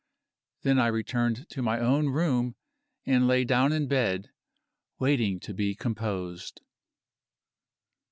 Then I returned to my own room and lay down in bed, waiting to be composed.